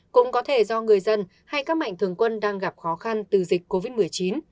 cũng có thể do người dân hay các mạnh thường quân đang gặp khó khăn từ dịch covid một mươi chín